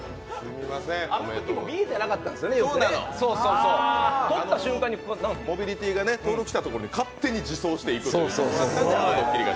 あのときも見えてなかったんですよね、取った瞬間にモビリティーが登録したところに勝ってに自走していくというね。